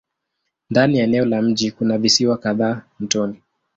Ndani ya eneo la mji kuna visiwa kadhaa mtoni.